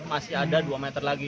masih ada dua meter lagi